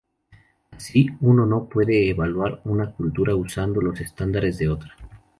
Así, uno no puede evaluar una cultura usando los estándares de otra.